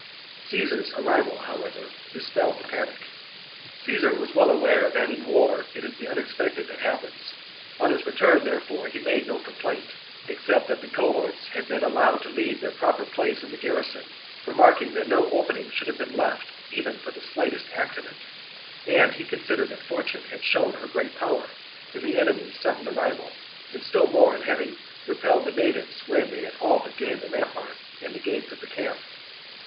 Caesar's arrival, how ever, dispelled the panic. 42. Caesar was well aware that in war it is the unexpected that happens. On his return, therefore, he made no complaint except that the cohorts had been allowed to leave their proper place in the garrison, remarking that no opening should have been left even for the slightest accident ; and he considered that Fortune had shown her great power in the enemy's sudden arrival, and still more in having repelled the natives when they had all but gained the rampart and the gates of the camp.